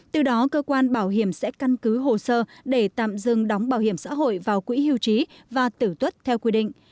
từ đó cơ quan bảo hiểm sẽ căn cứ hồ sơ để tạm dừng đóng bảo hiểm xã hội vào quỹ hưu trí và tử tuất theo quy định